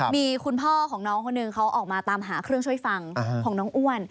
มีคุณพ่อของน้องคนหนึ่งเขาออกมาตามหาเครื่องช่วยฟังของน้องอ้วน